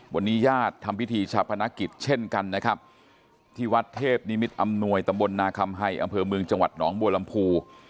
วันนี้ญาติทำพิธีชาปนกิจเช่นกันนะครับที่วัดเทพนิมิตอำนวยตำบลนาคำให้อำเภอเมืองจังหวัดหนองบัวลำพู